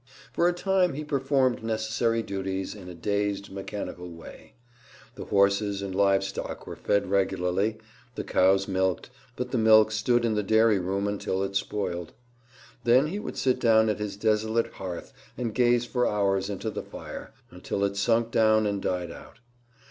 For a time he performed necessary duties in a dazed, mechanical way. The horses and live stock were fed regularly, the cows milked; but the milk stood in the dairy room until it spoiled. Then he would sit down at his desolate hearth and gaze for hours into the fire, until it sunk down and died out.